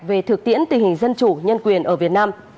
về thực tiễn tình hình dân chủ nhân quyền ở việt nam